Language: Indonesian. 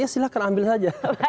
ya silahkan ambil saja